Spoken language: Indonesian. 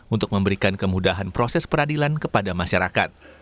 untuk memberikan kemudahan proses peradilan kepada masyarakat